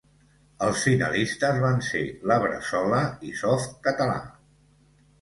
Els finalistes van ser La Bressola i Softcatalà.